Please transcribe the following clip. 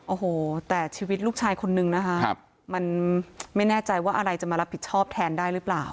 โอ้โหแต่ชีวิตลูกชายคนนึงนะคะมันไม่แน่ใจว่าอะไรจะมารับผิดชอบแทนได้หรือเปล่า